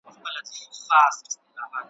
پر دې سیمه نوبهاره چي رانه سې ,